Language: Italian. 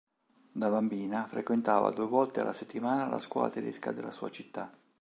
Da bambina frequentava due volte alla settimana la scuola tedesca della sua città.